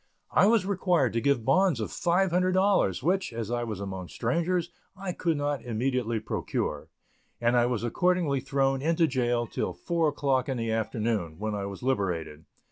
I was required to give bonds of $500, which, as I was among strangers, I could not immediately procure, and I was accordingly thrown into jail till four o'clock in the afternoon, when I was liberated.